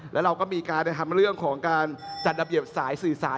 แล้วเราก็มีการไปทำเรื่องของการจัดระเบียบสายสื่อสาร